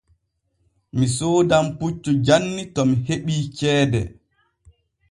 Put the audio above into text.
Mi soodan puccu janni to mi heɓii ceede.